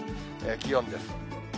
気温です。